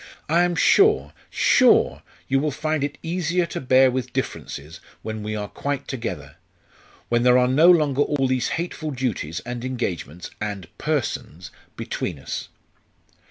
I am sure sure you will find it easier to bear with differences when we are quite together when there are no longer all these hateful duties and engagements and persons between us."